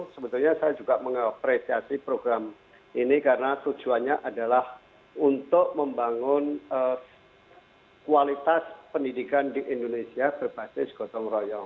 sebetulnya saya juga mengapresiasi program ini karena tujuannya adalah untuk membangun kualitas pendidikan di indonesia berbasis gotong royong